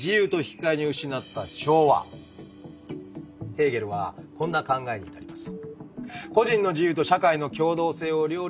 ヘーゲルはこんな考えに至ります。